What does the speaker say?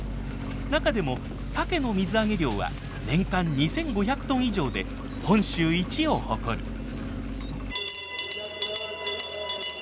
中でもサケの水揚げ量は年間２，５００トン以上で本州一を誇る。